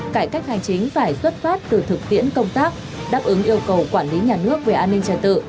cải cách hành chính phải xuất phát từ thực tiễn công tác đáp ứng yêu cầu quản lý nhà nước về an ninh trật tự